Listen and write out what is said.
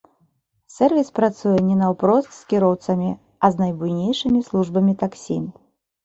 Сэрвіс працуе не наўпрост з кіроўцамі, а з найбуйнейшымі службамі таксі.